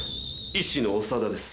医師の長田です